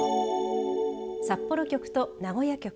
札幌局と名古屋局。